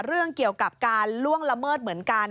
เรื่องเกี่ยวกับการล่วงละเมิดเหมือนกัน